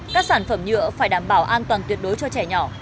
các sản phẩm nhựa phải đảm bảo an toàn tuyệt đối cho trẻ nhỏ